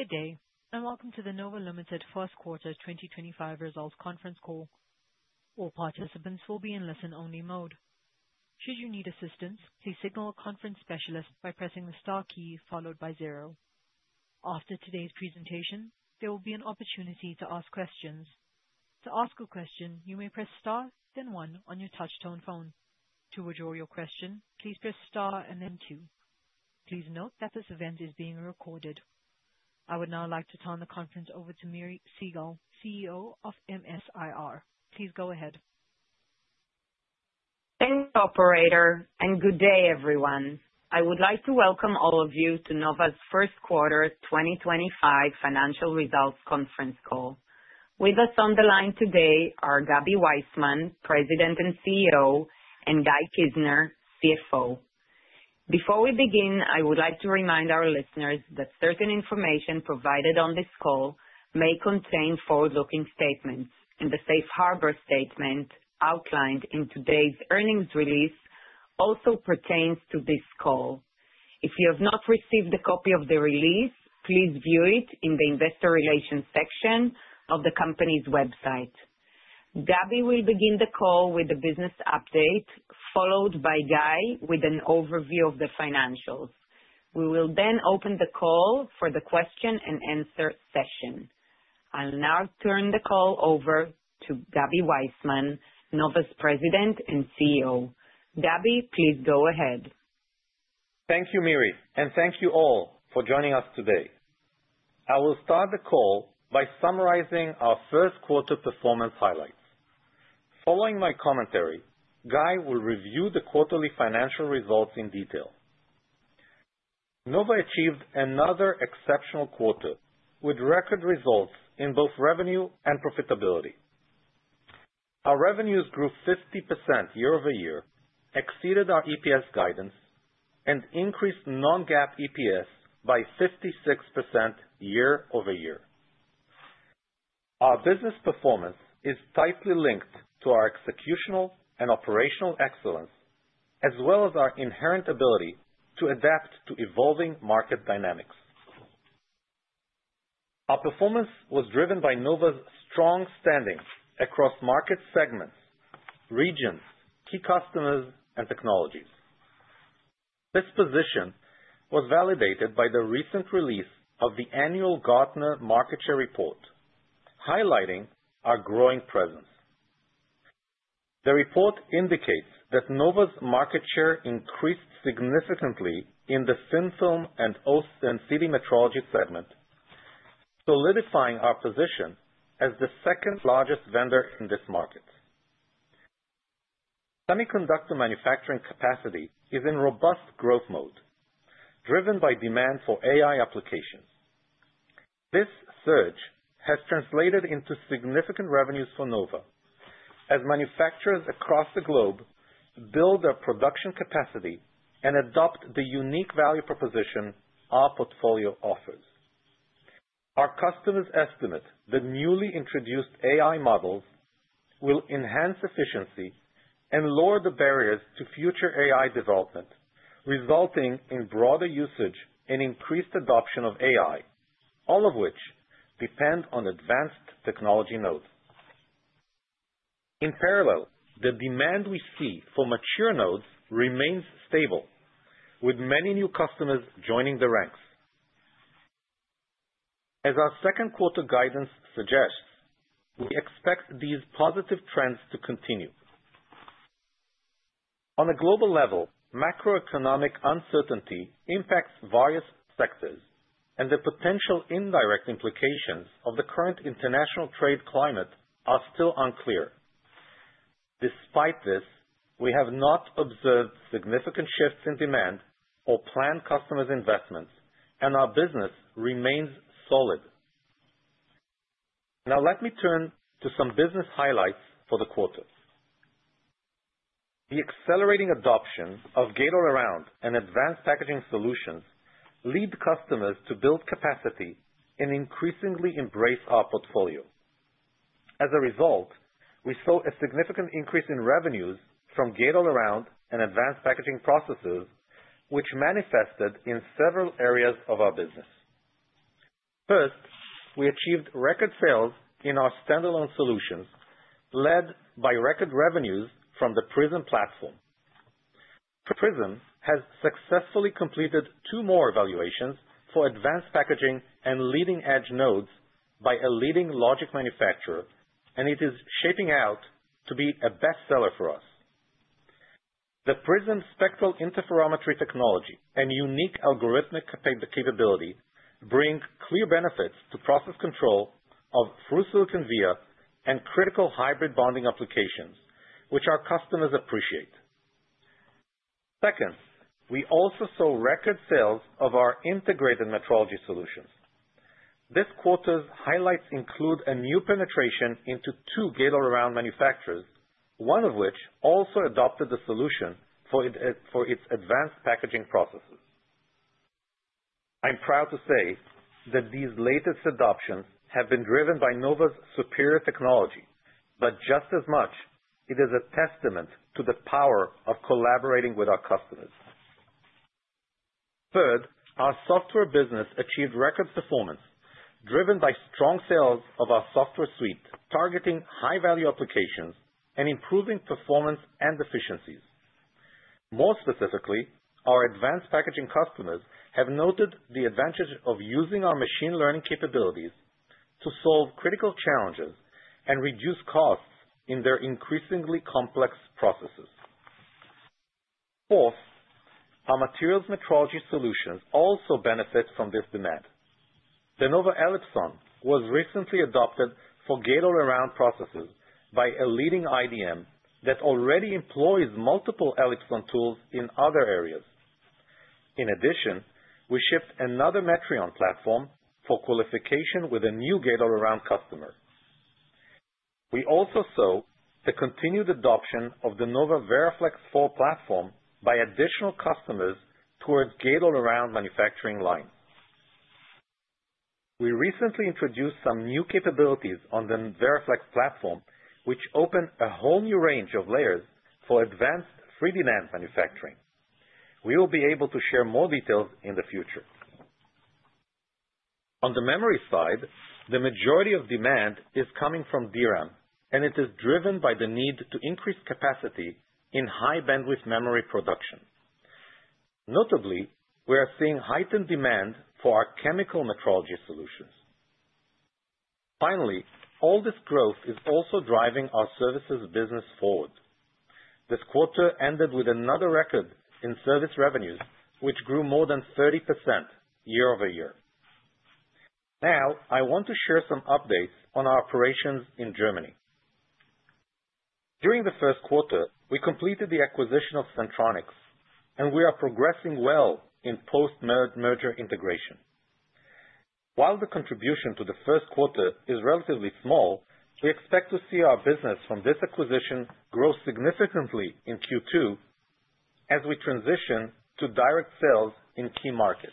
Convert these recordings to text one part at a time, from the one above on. Good day, and welcome to the Nova first quarter 2025 results conference call. All participants will be in listen-only mode. Should you need assistance, please signal a conference specialist by pressing the star key followed by zero. After today's presentation, there will be an opportunity to ask questions. To ask a question, you may press star, then one on your touch-tone phone. To withdraw your question, please press star and then two. Please note that this event is being recorded. I would now like to turn the conference over to Miri Segal, CEO of MS-IR. Please go ahead. Thanks, Operator, and good day, everyone. I would like to welcome all of you to Nova's first quarter 2025 financial results conference call. With us on the line today are Gabby Waisman, President and CEO, and Guy Kizner, CFO. Before we begin, I would like to remind our listeners that certain information provided on this call may contain forward-looking statements, and the Safe Harbor Statement outlined in today's earnings release also pertains to this call. If you have not received a copy of the release, please view it in the investor relations section of the company's website. Gabby will begin the call with a business update, followed by Guy with an overview of the financials. We will then open the call for the question-and-answer session. I'll now turn the call over to Gabby Waisman, Nova's President and CEO. Gabby, please go ahead. Thank you, Miri, and thank you all for joining us today. I will start the call by summarizing our first quarter performance highlights. Following my commentary, Guy will review the quarterly financial results in detail. Nova achieved another exceptional quarter with record results in both revenue and profitability. Our revenues grew 50% year-over-year, exceeded our EPS guidance, and increased non-GAAP EPS by 56% year-over-year. Our business performance is tightly linked to our executional and operational excellence, as well as our inherent ability to adapt to evolving market dynamics. Our performance was driven by Nova's strong standing across market segments, regions, key customers, and technologies. This position was validated by the recent release of the annual Gartner Market Share Report, highlighting our growing presence. The report indicates that Nova's market share increased significantly in the film and OST and CD metrology segment, solidifying our position as the second-largest vendor in this market. Semiconductor manufacturing capacity is in robust growth mode, driven by demand for AI applications. This surge has translated into significant revenues for Nova, as manufacturers across the globe build their production capacity and adopt the unique value proposition our portfolio offers. Our customers estimate that newly introduced AI models will enhance efficiency and lower the barriers to future AI development, resulting in broader usage and increased adoption of AI, all of which depend on advanced technology nodes. In parallel, the demand we see for mature nodes remains stable, with many new customers joining the ranks. As our second quarter guidance suggests, we expect these positive trends to continue. On a global level, macroeconomic uncertainty impacts various sectors, and the potential indirect implications of the current international trade climate are still unclear. Despite this, we have not observed significant shifts in demand or planned customers' investments, and our business remains solid. Now, let me turn to some business highlights for the quarter. The accelerating adoption of Gate-All-Around and advanced packaging solutions led customers to build capacity and increasingly embrace our portfolio. As a result, we saw a significant increase in revenues from Gate-All-Around and advanced packaging processes, which manifested in several areas of our business. First, we achieved record sales in our standalone solutions, led by record revenues from the Prism platform. Prism has successfully completed two more evaluations for advanced packaging and leading-edge nodes by a leading logic manufacturer, and it is shaping out to be a bestseller for us. The Prism spectral interferometry technology and unique algorithmic capability bring clear benefits to process control of Through Silicon Via and critical hybrid bonding applications, which our customers appreciate. Second, we also saw record sales of our integrated metrology solutions. This quarter's highlights include a new penetration into two Gate-All-Around manufacturers, one of which also adopted the solution for its advanced packaging processes. I'm proud to say that these latest adoptions have been driven by Nova's superior technology, but just as much, it is a testament to the power of collaborating with our customers. Third, our software business achieved record performance, driven by strong sales of our software suite, targeting high-value applications and improving performance and efficiencies. More specifically, our advanced packaging customers have noted the advantage of using our machine learning capabilities to solve critical challenges and reduce costs in their increasingly complex processes. Fourth, our materials metrology solutions also benefit from this demand. The Nova Elipson was recently adopted for Gate-All-Around processes by a leading IDM that already employs multiple Elipson tools in other areas. In addition, we shipped another Metrion platform for qualification with a new Gate-All-Around customer. We also saw the continued adoption of the Nova VERAFLEX IV platform by additional customers towards Gate-All-Around manufacturing lines. We recently introduced some new capabilities on the VERAFLEX platform, which opened a whole new range of layers for advanced 3D manufacturing. We will be able to share more details in the future. On the memory side, the majority of demand is coming from DRAM, and it is driven by the need to increase capacity in high-bandwidth memory production. Notably, we are seeing heightened demand for our chemical metrology solutions. Finally, all this growth is also driving our services business forward. This quarter ended with another record in service revenues, which grew more than 30% year-over-year. Now, I want to share some updates on our operations in Germany. During the first quarter, we completed the acquisition of Centronics, and we are progressing well in post-merger integration. While the contribution to the first quarter is relatively small, we expect to see our business from this acquisition grow significantly in Q2 as we transition to direct sales in key markets.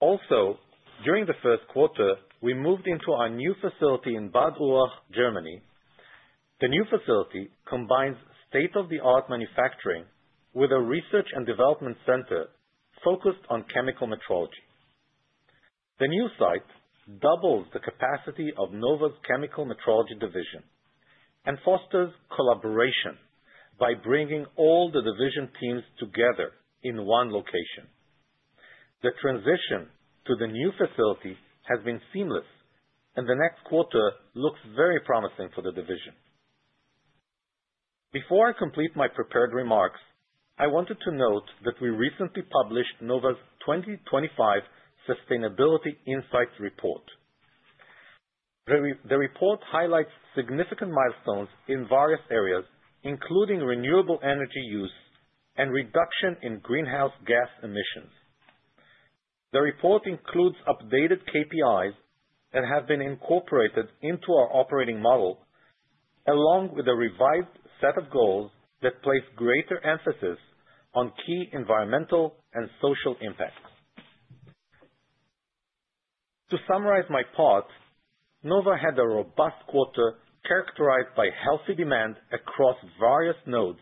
Also, during the first quarter, we moved into our new facility in Bad Urach, Germany. The new facility combines state-of-the-art manufacturing with a research and development center focused on chemical metrology. The new site doubles the capacity of Nova's chemical metrology division and fosters collaboration by bringing all the division teams together in one location. The transition to the new facility has been seamless, and the next quarter looks very promising for the division. Before I complete my prepared remarks, I wanted to note that we recently published Nova's 2025 sustainability insights report. The report highlights significant milestones in various areas, including renewable energy use and reduction in greenhouse gas emissions. The report includes updated KPIs that have been incorporated into our operating model, along with a revised set of goals that place greater emphasis on key environmental and social impacts. To summarize my thoughts, Nova had a robust quarter characterized by healthy demand across various nodes,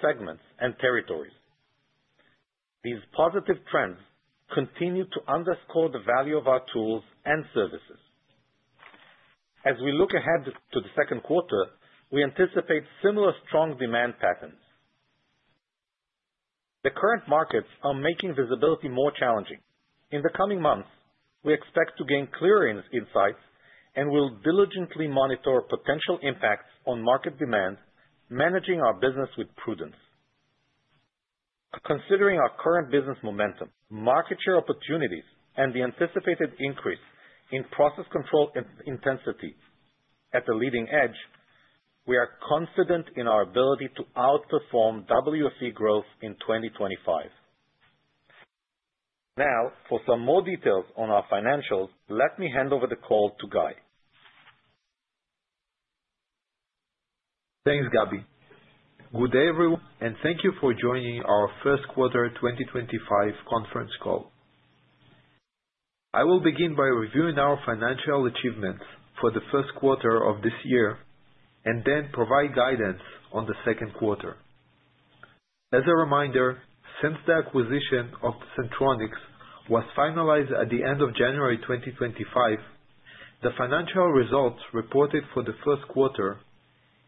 segments, and territories. These positive trends continue to underscore the value of our tools and services. As we look ahead to the second quarter, we anticipate similar strong demand patterns. The current markets are making visibility more challenging. In the coming months, we expect to gain clear insights and will diligently monitor potential impacts on market demand, managing our business with prudence. Considering our current business momentum, market share opportunities, and the anticipated increase in process control intensity at the leading edge, we are confident in our ability to outperform WFE growth in 2025. Now, for some more details on our financials, let me hand over the call to Guy. Thanks, Gabby. Good day, everyone, and thank you for joining our first quarter 2025 conference call. I will begin by reviewing our financial achievements for the first quarter of this year and then provide guidance on the second quarter. As a reminder, since the acquisition of Centronics was finalized at the end of January 2025, the financial results reported for the first quarter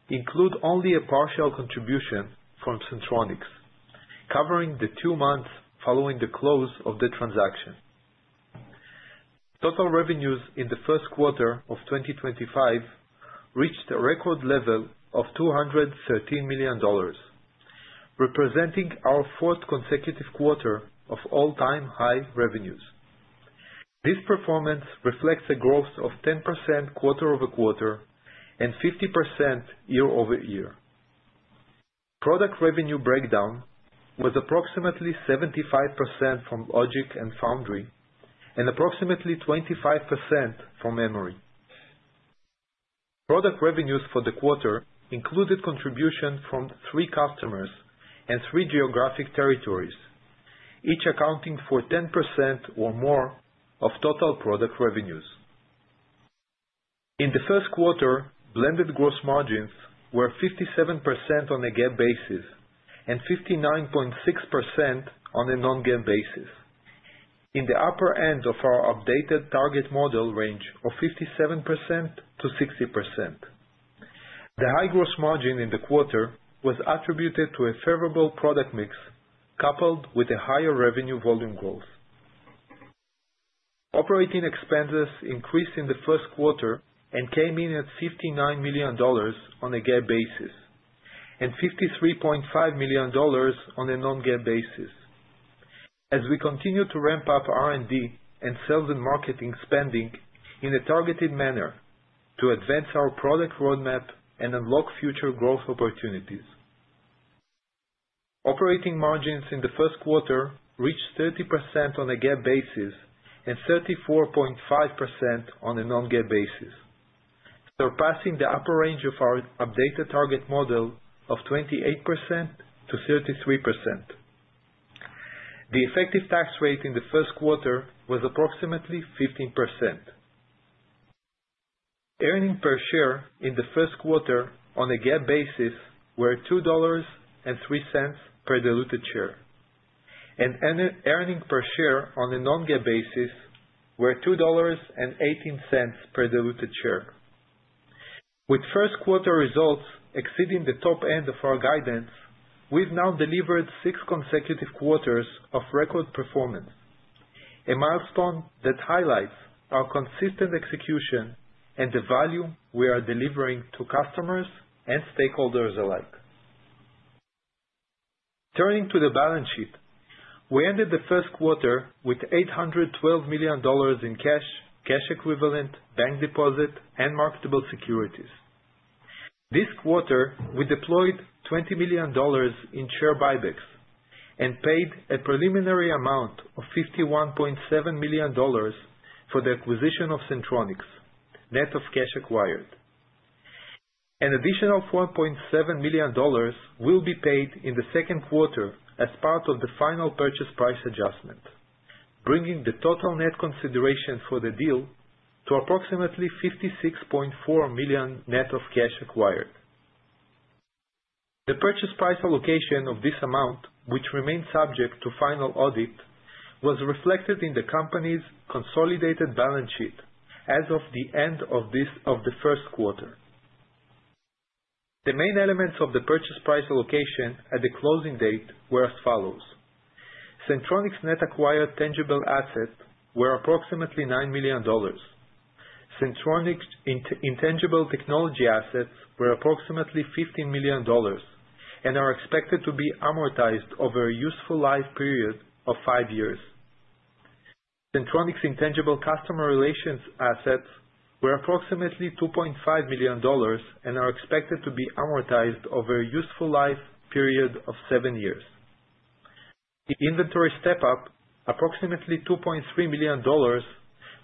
include only a partial contribution from Centronics, covering the two months following the close of the transaction. Total revenues in the first quarter of 2025 reached a record level of $213 million, representing our fourth consecutive quarter of all-time high revenues. This performance reflects a growth of 10% quarter-over-quarter and 50% year-over-year. Product revenue breakdown was approximately 75% from logic and foundry and approximately 25% from memory. Product revenues for the quarter included contribution from three customers and three geographic territories, each accounting for 10% or more of total product revenues. In the first quarter, blended gross margins were 57% on a GAAP basis and 59.6% on a non-GAAP basis, in the upper end of our updated target model range of 57%-60%. The high gross margin in the quarter was attributed to a favorable product mix coupled with a higher revenue volume growth. Operating expenses increased in the first quarter and came in at $59 million on a GAAP basis and $53.5 million on a non-GAAP basis, as we continue to ramp up R&D and sales and marketing spending in a targeted manner to advance our product roadmap and unlock future growth opportunities. Operating margins in the first quarter reached 30% on a GAAP basis and 34.5% on a non-GAAP basis, surpassing the upper range of our updated target model of 28%-33%. The effective tax rate in the first quarter was approximately 15%. Earning per share in the first quarter on a GAAP basis were $2.03 per diluted share, and earning per share on a non-GAAP basis were $2.18 per diluted share. With first quarter results exceeding the top end of our guidance, we've now delivered six consecutive quarters of record performance, a milestone that highlights our consistent execution and the value we are delivering to customers and stakeholders alike. Turning to the balance sheet, we ended the first quarter with $812 million in cash, cash equivalent, bank deposit, and marketable securities. This quarter, we deployed $20 million in share buybacks and paid a preliminary amount of $51.7 million for the acquisition of Centronics, net of cash acquired. An additional $4.7 million will be paid in the second quarter as part of the final purchase price adjustment, bringing the total net consideration for the deal to approximately $56.4 million net of cash acquired. The purchase price allocation of this amount, which remained subject to final audit, was reflected in the company's consolidated balance sheet as of the end of the first quarter. The main elements of the purchase price allocation at the closing date were as follows: Centronics net acquired tangible assets were approximately $9 million. Centronics intangible technology assets were approximately $15 million and are expected to be amortized over a useful life period of five years. Centronics intangible customer relations assets were approximately $2.5 million and are expected to be amortized over a useful life period of seven years. The inventory step-up, approximately $2.3 million,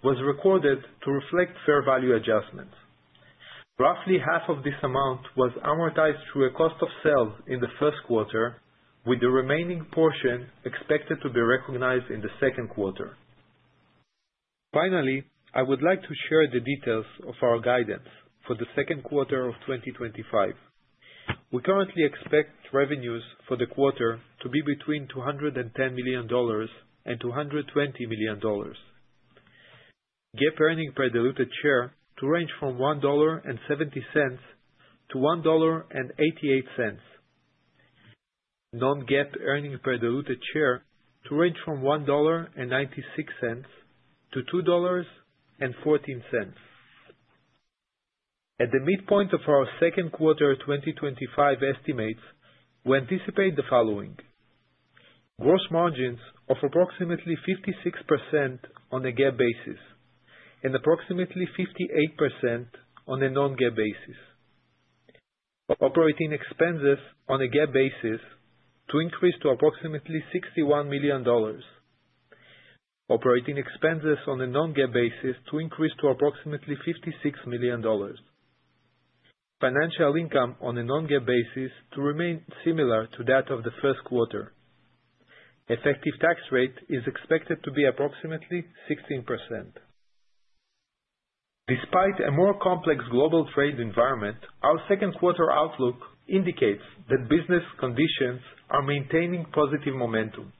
was recorded to reflect fair value adjustments. Roughly half of this amount was amortized through cost of sales in the first quarter, with the remaining portion expected to be recognized in the second quarter. Finally, I would like to share the details of our guidance for the second quarter of 2025. We currently expect revenues for the quarter to be between $210 million and $220 million. GAAP earnings per diluted share to range from $1.70-$1.88. Non-GAAP earnings per diluted share to range from $1.96-$2.14. At the midpoint of our second quarter 2025 estimates, we anticipate the following: gross margins of approximately 56% on a GAAP basis and approximately 58% on a non-GAAP basis. Operating expenses on a GAAP basis to increase to approximately $61 million. Operating expenses on a non-GAAP basis to increase to approximately $56 million. Financial income on a non-GAAP basis to remain similar to that of the first quarter. Effective tax rate is expected to be approximately 16%. Despite a more complex global trade environment, our second quarter outlook indicates that business conditions are maintaining positive momentum.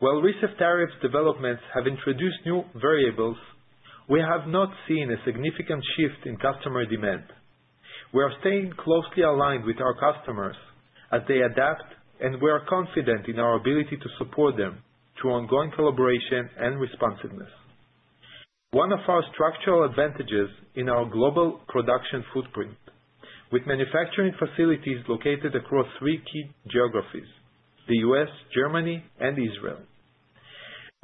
While recent tariff developments have introduced new variables, we have not seen a significant shift in customer demand. We are staying closely aligned with our customers as they adapt, and we are confident in our ability to support them through ongoing collaboration and responsiveness. One of our structural advantages is our global production footprint, with manufacturing facilities located across three key geographies: the U.S., Germany, and Israel.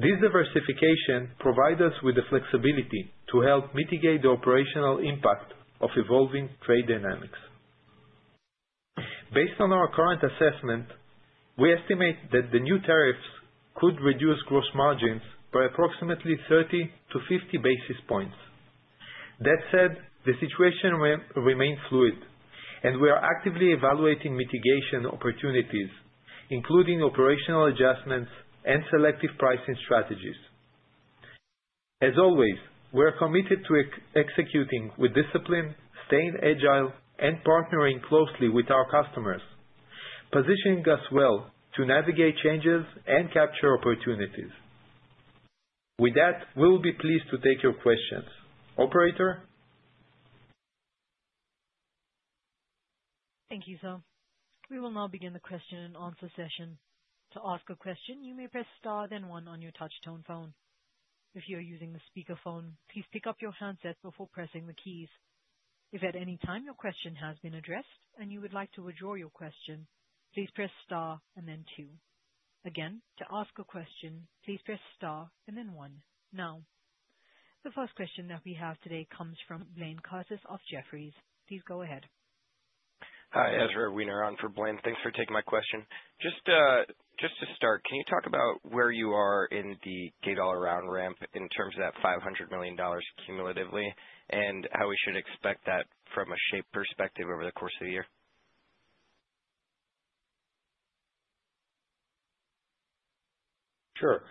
This diversification provides us with the flexibility to help mitigate the operational impact of evolving trade dynamics. Based on our current assessment, we estimate that the new tariffs could reduce gross margins by approximately 30 basis points-50 basis points. That said, the situation remains fluid, and we are actively evaluating mitigation opportunities, including operational adjustments and selective pricing strategies. As always, we are committed to executing with discipline, staying agile, and partnering closely with our customers, positioning us well to navigate changes and capture opportunities. With that, we will be pleased to take your questions. Operator? Thank you, sir. We will now begin the question and answer session. To ask a question, you may press star then one on your touch-tone phone. If you are using the speakerphone, please pick up your handset before pressing the keys. If at any time your question has been addressed and you would like to withdraw your question, please press star and then two. Again, to ask a question, please press star and then one. Now, the first question that we have today comes from Blaine Curtis of Jefferies. Please go ahead. Hi, Ezra Weener, around for Blaine. Thanks for taking my question. Just to start, can you talk about where you are in the Gate-All-Around ramp in terms of that $500 million cumulatively and how we should expect that from a shape perspective over the course of the year? Sure.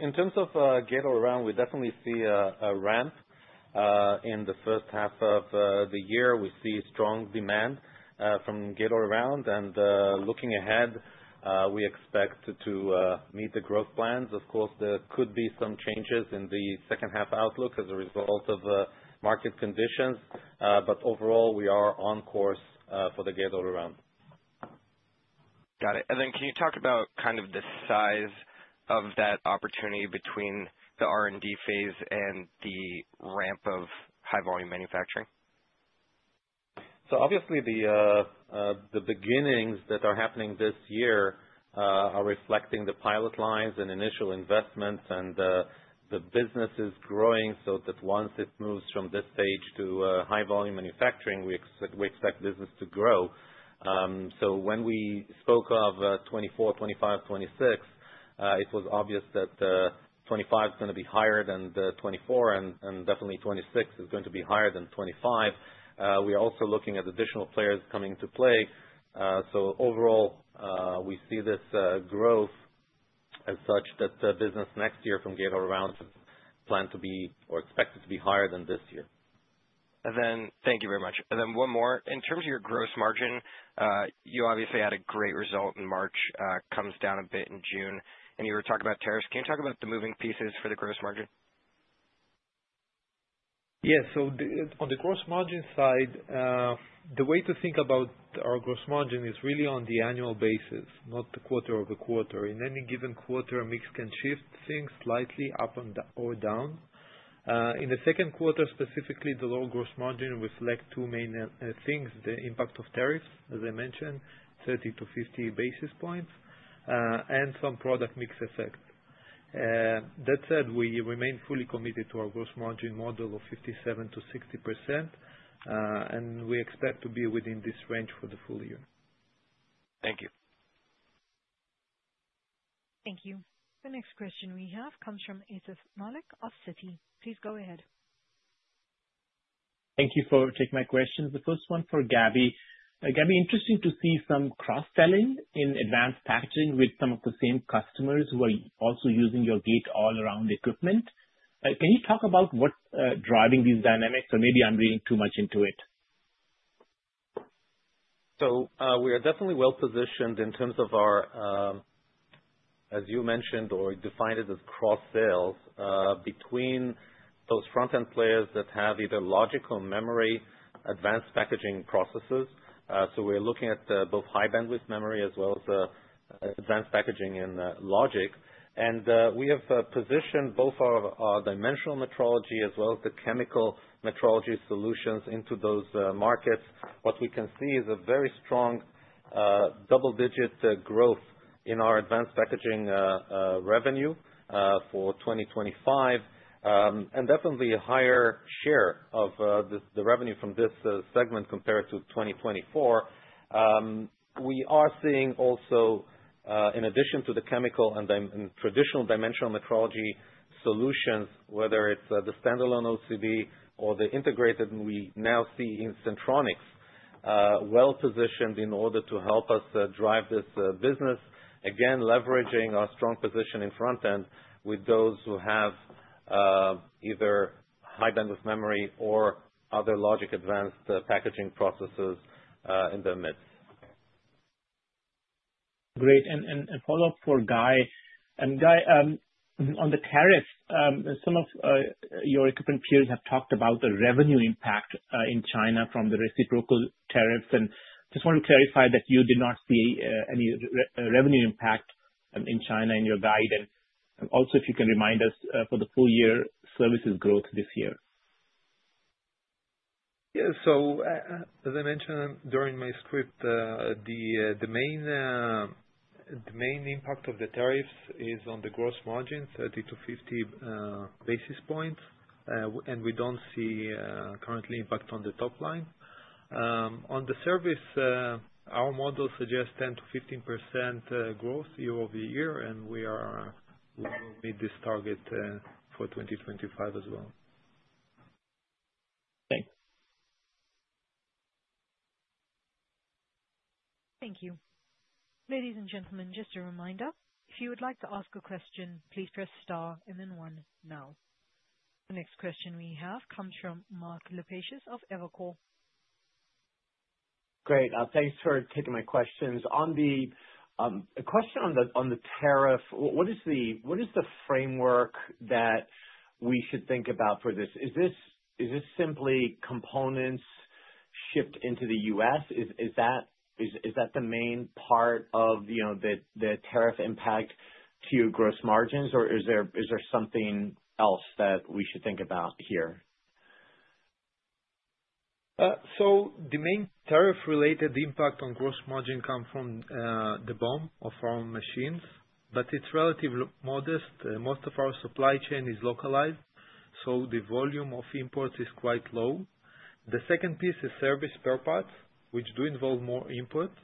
In terms of Gate-All-Around, we definitely see a ramp in the first half of the year. We see strong demand from Gate-All-Around, and looking ahead, we expect to meet the growth plans. Of course, there could be some changes in the second half outlook as a result of market conditions, but overall, we are on course for the Gate-All-Around. Got it. Can you talk about kind of the size of that opportunity between the R&D phase and the ramp of high-volume manufacturing? Obviously, the beginnings that are happening this year are reflecting the pilot lines and initial investments, and the business is growing so that once it moves from this stage to high-volume manufacturing, we expect business to grow. When we spoke of 2024, 2025, 2026, it was obvious that 2025 is going to be higher than 2024, and definitely 2026 is going to be higher than 2025. We are also looking at additional players coming into play. Overall, we see this growth as such that business next year from Gate-All-Around is planned to be or expected to be higher than this year. Thank you very much. And then one more. In terms of your gross margin, you obviously had a great result in March, comes down a bit in June, and you were talking about tariffs. Can you talk about the moving pieces for the gross margin? Yes. On the gross margin side, the way to think about our gross margin is really on the annual basis, not the quarter over quarter. In any given quarter, a mix can shift things slightly up or down. In the second quarter, specifically, the low gross margin reflects two main things: the impact of tariffs, as I mentioned, 30 basis points-50 basis points, and some product mix effects. That said, we remain fully committed to our gross margin model of 57%-60%, and we expect to be within this range for the full year. Thank you. Thank you. The next question we have comes from Atif Malik of Citi. Please go ahead. Thank you for taking my question. The first one for Gabby. Gabby, interesting to see some cross-selling in advanced packaging with some of the same customers who are also using your Gate-All-Around equipment. Can you talk about what's driving these dynamics, or maybe I'm reading too much into it? We are definitely well positioned in terms of our, as you mentioned, or defined it as cross-sales between those front-end players that have either logic or memory advanced packaging processes. We are looking at both high-bandwidth memory as well as advanced packaging in logic. We have positioned both our dimensional metrology as well as the chemical metrology solutions into those markets. What we can see is a very strong double-digit growth in our advanced packaging revenue for 2025 and definitely a higher share of the revenue from this segment compared to 2024. We are seeing also, in addition to the chemical and traditional dimensional metrology solutions, whether it's the standalone OCD or the integrated, we now see Centronics well positioned in order to help us drive this business, again, leveraging our strong position in front-end with those who have either high-bandwidth memory or other logic advanced packaging processes in their midst. Great. A follow-up for Guy. Guy, on the tariffs, some of your equipment peers have talked about the revenue impact in China from the reciprocal tariffs, and just wanted to clarify that you did not see any revenue impact in China in your guide. Also, if you can remind us for the full-year services growth this year. Yeah. As I mentioned during my script, the main impact of the tariffs is on the gross margin, 30 basis points-50 basis points, and we do not see currently impact on the top line. On the service, our model suggests 10%-15% growth year-over-year, and we will meet this target for 2025 as well. Thanks. Thank you. Ladies and gentlemen, just a reminder, if you would like to ask a question, please press star and then one now. The next question we have comes from Mark Lipacis of Evercore. Great. Thanks for taking my questions. On the question on the tariff, what is the framework that we should think about for this? Is this simply components shipped into the U.S.? Is that the main part of the tariff impact to your gross margins, or is there something else that we should think about here? The main tariff-related impact on gross margin comes from the BOM of our machines, but it is relatively modest. Most of our supply chain is localized, so the volume of imports is quite low. The second piece is service per parts, which do involve more inputs.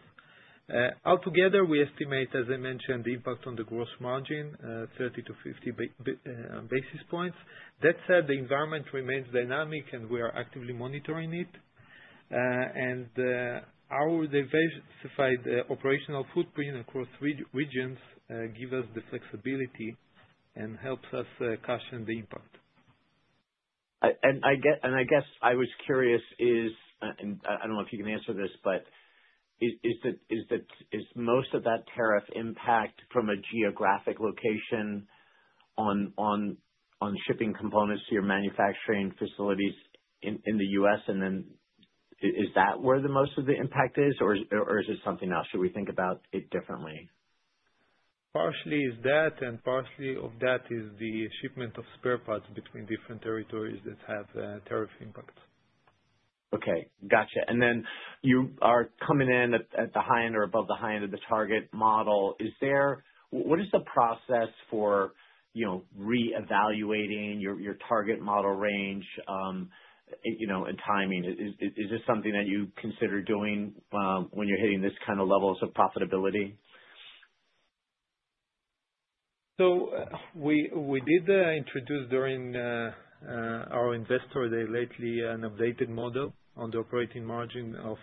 Altogether, we estimate, as I mentioned, the impact on the gross margin, 30 basis points-50 basis points. That said, the environment remains dynamic, and we are actively monitoring it. Our diversified operational footprint across regions gives us the flexibility and helps us cushion the impact. I guess I was curious, and I do not know if you can answer this, but is most of that tariff impact from a geographic location on shipping components to your manufacturing facilities in the U.S.? Is that where most of the impact is, or is it something else? Should we think about it differently? Partially is that, and partially of that is the shipment of spare parts between different territories that have tariff impacts. Okay. Got you. You are coming in at the high end or above the high end of the target model. What is the process for re-evaluating your target model range and timing? Is this something that you consider doing when you're hitting this kind of levels of profitability? We did introduce during our investor day lately an updated model on the operating margin of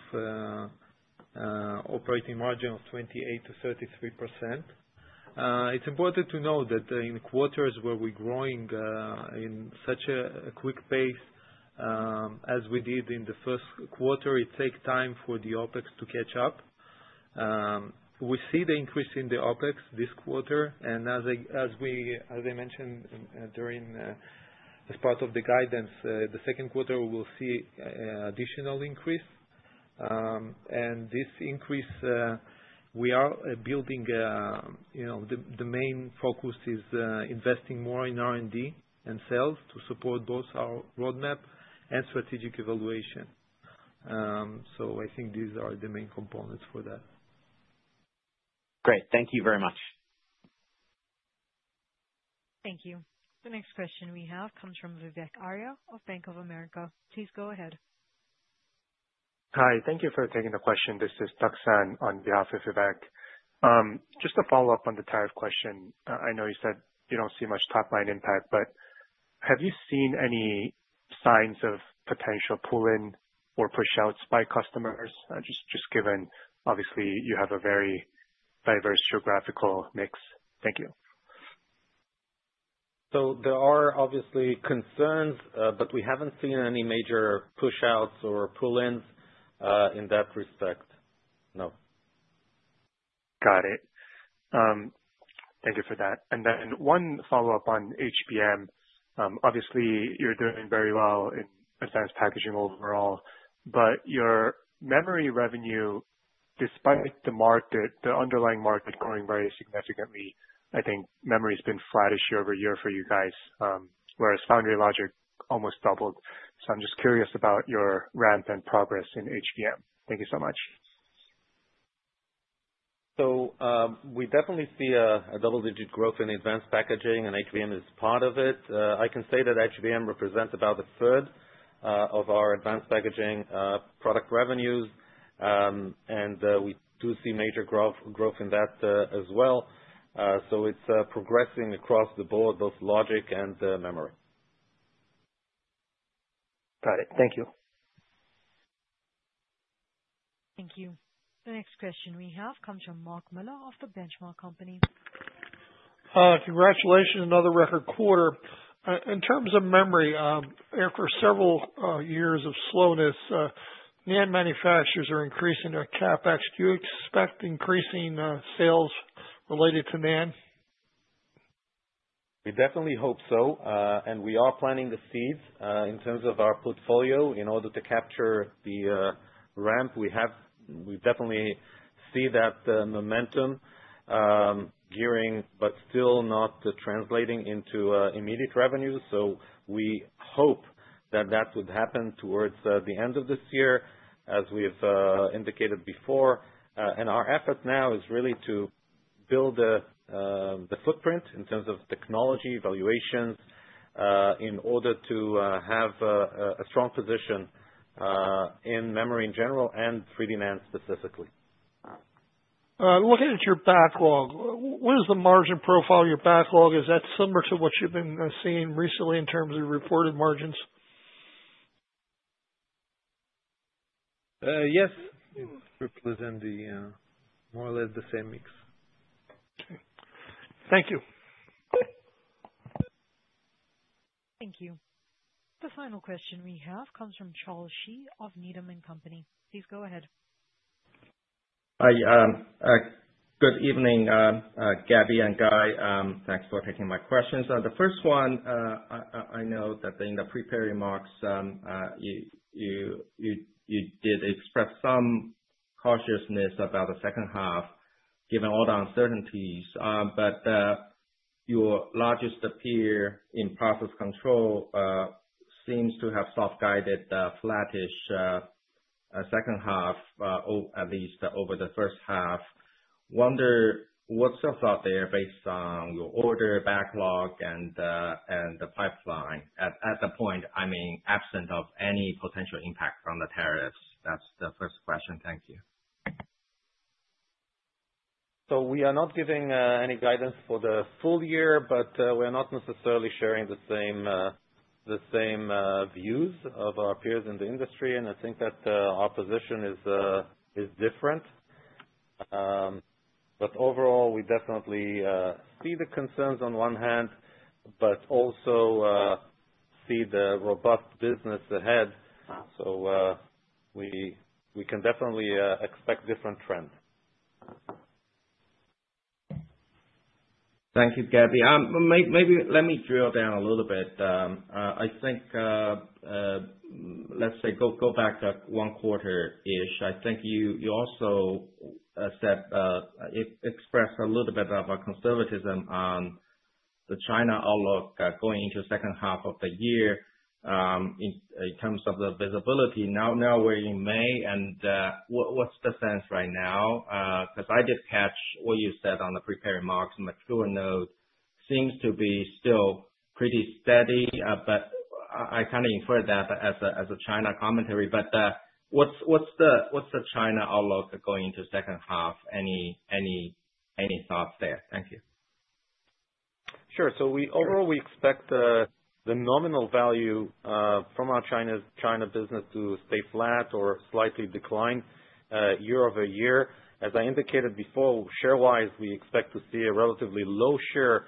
28%-33%. It's important to note that in quarters where we're growing in such a quick pace as we did in the first quarter, it takes time for the OpEx to catch up. We see the increase in the OpEx this quarter, and as I mentioned as part of the guidance, the second quarter, we will see additional increase. This increase, we are building, the main focus is investing more in R&D and sales to support both our roadmap and strategic evaluation. I think these are the main components for that. Great. Thank you very much. Thank you. The next question we have comes from Vivek Arya of Bank of America. Please go ahead. Hi. Thank you for taking the question. This is Tucson on behalf of Vivek. Just to follow up on the tariff question, I know you said you do not see much top-line impact, but have you seen any signs of potential pull-in or push-outs by customers? Just given, obviously, you have a very diverse geographical mix. Thank you. There are obviously concerns, but we haven't seen any major push-outs or pull-ins in that respect. No. Got it. Thank you for that. One follow-up on HBM. Obviously, you're doing very well in advanced packaging overall, but your memory revenue, despite the underlying market growing very significantly, I think memory has been flattish year-over-year for you guys, whereas foundry logic almost doubled. I'm just curious about your ramp and progress in HBM. Thank you so much. We definitely see a double-digit growth in advanced packaging, and HBM is part of it. I can say that HBM represents about a third of our advanced packaging product revenues, and we do see major growth in that as well. It is progressing across the board, both logic and memory. Got it. Thank you. Thank you. The next question we have comes from Mark Miller of the Benchmark Company. Congratulations on another record quarter. In terms of memory, after several years of slowness, NAND manufacturers are increasing their CapEx. Do you expect increasing sales related to NAND? We definitely hope so, and we are planting the seeds in terms of our portfolio in order to capture the ramp. We definitely see that momentum gearing, but still not translating into immediate revenue. We hope that that would happen towards the end of this year, as we've indicated before. Our effort now is really to build the footprint in terms of technology evaluations in order to have a strong position in memory in general and 3D NAND specifically. Looking at your backlog, what is the margin profile of your backlog? Is that similar to what you've been seeing recently in terms of reported margins? Yes. It's more or less the same mix. Okay. Thank you. Thank you. The final question we have comes from Charles Shi of Needham & Company. Please go ahead. Hi. Good evening, Gabby and Guy. Thanks for taking my questions. The first one, I know that in the preparing marks, you did express some cautiousness about the second half given all the uncertainties, but your largest peer in process control seems to have soft-guided the flattish second half, at least over the first half. Wonder what's your thought there based on your order backlog and the pipeline at the point, I mean, absent of any potential impact from the tariffs? That's the first question. Thank you. We are not giving any guidance for the full year, but we are not necessarily sharing the same views of our peers in the industry, and I think that our position is different. Overall, we definitely see the concerns on one hand, but also see the robust business ahead. We can definitely expect a different trend. Thank you, Gabby. Maybe let me drill down a little bit. I think, let's say, go back one quarter-ish. I think you also expressed a little bit of a conservatism on the China outlook going into the second half of the year in terms of the visibility. Now we're in May, and what's the sense right now? Because I did catch what you said on the preparing marks. Mature note seems to be still pretty steady, but I kind of infer that as a China commentary. But what's the China outlook going into the second half? Any thoughts there? Thank you. Sure. Overall, we expect the nominal value from our China business to stay flat or slightly decline year-over-year. As I indicated before, share-wise, we expect to see a relatively lower share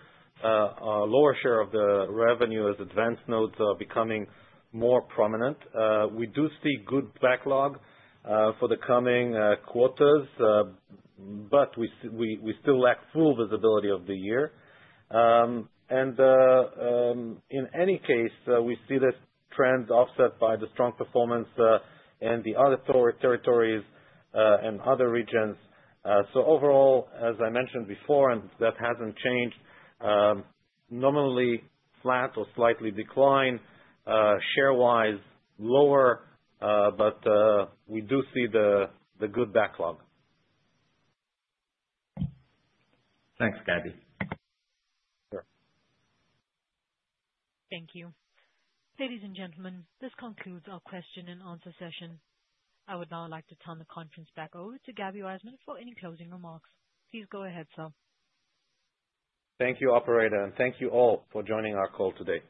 of the revenue as advanced nodes become more prominent. We do see good backlog for the coming quarters, but we still lack full visibility of the year. In any case, we see this trend offset by the strong performance in the other territories and other regions. Overall, as I mentioned before, and that has not changed, nominally flat or slightly decline. Share-wise, lower, but we do see the good backlog. Thanks, Gabby. Sure. Thank you. Ladies and gentlemen, this concludes our question and answer session. I would now like to turn the conference back over to Gabby Weissman for any closing remarks. Please go ahead, sir. Thank you, operator, and thank you all for joining our call today.